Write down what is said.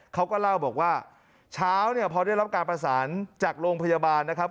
เขาก็เล่าบอกว่าเช้าเนี่ยพอได้รับการประสานจากโรงพยาบาลนะครับ